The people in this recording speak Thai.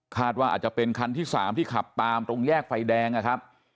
ว่าอาจจะเป็นคันที่๓ที่ขับตามตรงแยกไฟแดงนะครับ